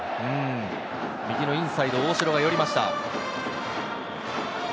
右のインサイドに大城が寄りました。